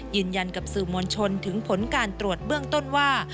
ยืนยันกับสื่อมวลชนถึงผลการตรวจเบื้องต้นว่า